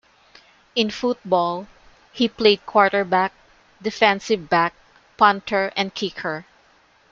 In football, he played quarterback, defensive back, punter, and kicker.